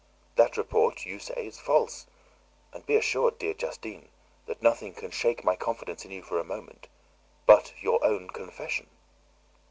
That report, you say, is false; and be assured, dear Justine, that nothing can shake my confidence in you for a moment, but your own confession."